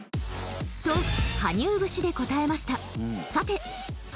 と羽生節で答えました